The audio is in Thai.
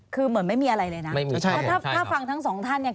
คือเหมือนไม่มีอะไรเลยนะถ้าถ้าฟังทั้งสองท่านเนี่ย